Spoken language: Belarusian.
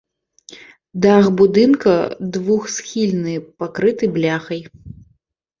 Дах будынка двухсхільны, пакрыты бляхай.